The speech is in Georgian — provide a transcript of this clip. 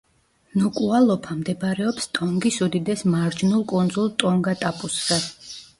ნუკუალოფა მდებარეობს ტონგის უდიდეს მარჯნულ კუნძულ ტონგატაპუზე.